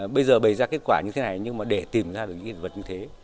bây giờ bày ra kết quả như thế này nhưng mà để tìm ra được những hiện vật như thế